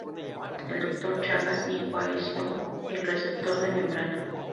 El Dr. Chagas hijo aisló el receptor de membrana.